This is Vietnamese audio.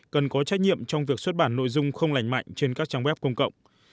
cần có trách nhiệm trong việc xuất bản nội dung không lành mạnh trên các trang web công cộng